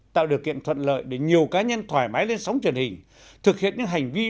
tạo điều kiện thuận lợi để nhiều cá nhân thoải mái lên sóng truyền hình thực hiện những hành vi